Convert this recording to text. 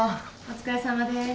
お疲れさまです。